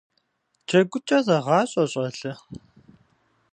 ДжэгукӀэ зэгъащӀэ, щӀалэ!